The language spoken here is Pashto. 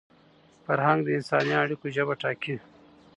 فرهنګ د انساني اړیکو ژبه ټاکي.